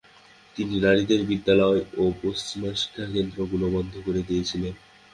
তিনি নারীদের বিদ্যালয় ও পশ্চিমা শিক্ষকেন্দ্রগুলো বন্ধ করে দিয়েছিলেন।